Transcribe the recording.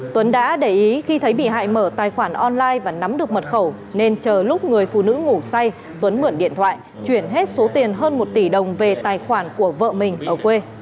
tuấn đã để ý khi thấy bị hại mở tài khoản online và nắm được mật khẩu nên chờ lúc người phụ nữ ngủ say tuấn mượn điện thoại chuyển hết số tiền hơn một tỷ đồng về tài khoản của vợ mình ở quê